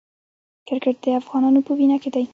کرکټ د افغانانو په وینو کې دی.